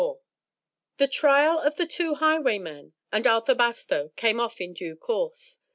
The trial of the two highwaymen and Arthur Bastow came off in due course.